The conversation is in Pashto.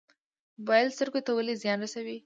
موبایل سترګو ته ولې زیان رسوي؟